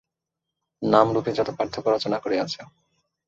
নাম-রূপই যত পার্থক্য রচনা করিয়াছে।